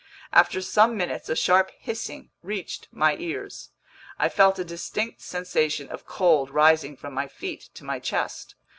After some minutes a sharp hissing reached my ears. I felt a distinct sensation of cold rising from my feet to my chest.